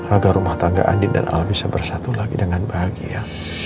agar rumah tangga adit dan al bisa bersatu lagi dengan bahagia